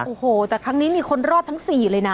โอ้โหแต่ครั้งนี้มีคนรอดทั้ง๔เลยนะ